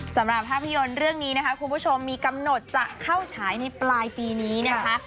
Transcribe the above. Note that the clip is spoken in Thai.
สำหรับภาพยนตร์เรื่องนี้นะคะคุณผู้ชมมีกำหนดจะเข้าฉายในปลายปีนี้นะคะ